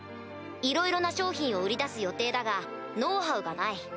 いろいろな商品を売り出す予定だがノウハウがない。